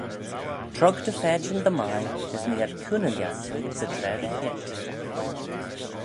Trog dty phaitçhyn dy mie, as nee ad cooney lhiat 'sy traa ry-heet.